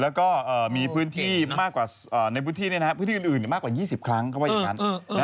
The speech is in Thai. แล้วก็มีพื้นที่มากกว่าในพื้นที่พื้นที่อื่นมากกว่า๒๐ครั้งเขาว่าอย่างนั้น